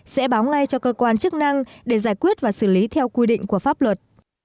sẽ báo ngay cho cơ quan chức năng để giải quyết và xử lý theo quy định của pháp luật